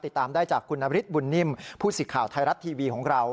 ติดตามได้จากคุณนฤทธบุญนิ่มผู้สิทธิ์ข่าวไทยรัฐทีวีของเรา